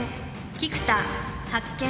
菊田発見。